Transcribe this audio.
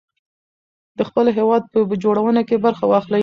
د خپل هېواد په جوړونه کې برخه واخلئ.